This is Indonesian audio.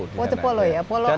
water polo ya polo air ya